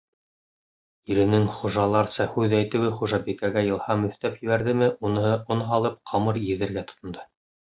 Иренең хужаларса һүҙ әйтеүе хужабикәгә илһам өҫтәп ебәрҙеме, уныһы он һалып ҡамыр иҙергә тотондо.